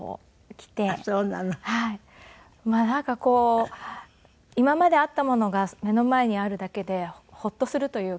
なんかこう今まであったものが目の前にあるだけでホッとするというか。